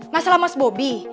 masalah mas bobby